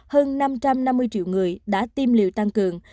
hơn năm trăm năm mươi triệu người đã tiêm liều tăng cường